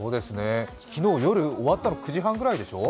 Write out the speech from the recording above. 昨日夜、終わったの９時半ぐらいでしょう？